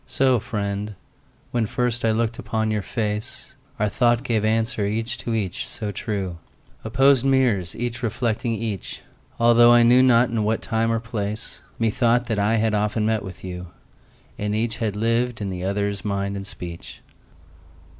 So, friend, when first I look'd upon your face, Our thought gave answer each to each, so true— Opposed mirrors each reflecting each— Altho' I knew not in what time or place, Methought that I had often met with you, And each had lived in the other's mind and speech.